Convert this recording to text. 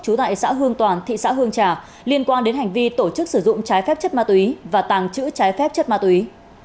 trú tại xã hương toàn thị xã hương trà liên quan đến hành vi tổ chức sử dụng trái phép chất ma túy và tàng trữ trái phép chất ma túy